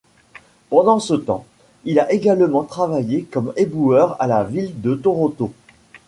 Pendant ce temps, il a également travaillé comme éboueur à la Ville de Toronto.